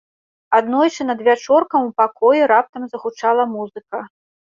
Аднойчы надвячоркам ў пакоі раптам загучала музыка.